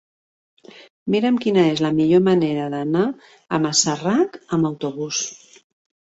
Mira'm quina és la millor manera d'anar a Masarac amb autobús.